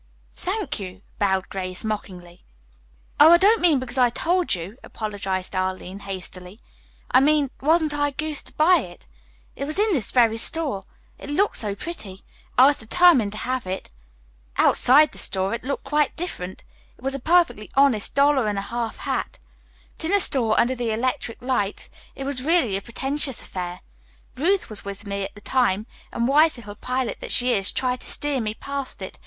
"Thank you," bowed Grace mockingly. "Oh, I don't mean because I told you," apologized Arline hastily. "I mean, wasn't I a goose to buy it? It was in this very store. It looked so pretty. I was determined to have it. Outside the store it looked quite different. It was a perfectly honest dollar and a half hat. But in the store under the electric lights it was really a pretentious affair. Ruth was with me at the time, and, wise little pilot that she is, tried to steer me past it.